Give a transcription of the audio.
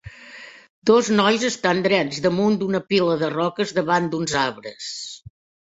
Dos nois estan drets damunt d'una pila de roques davant d'uns arbres.